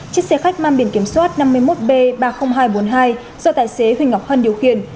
chiếc xe khách mang biển kiểm soát năm mươi một b ba mươi nghìn hai trăm bốn mươi hai do tài xế huỳnh ngọc hân điều khiển